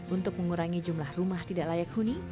untuk mengurangi jumlah rumah tidak layak huni